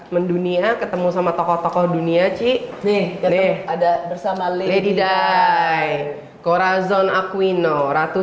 mendunia ketemu sama tokoh tokoh dunia cik nih ada bersama lady dia corazon akuino ratu